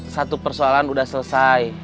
satu persoalan udah selesai